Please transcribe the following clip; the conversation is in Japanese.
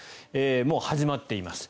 もう始まっています。